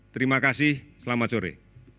terima kasih selamat sore